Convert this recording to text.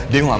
dia gak mau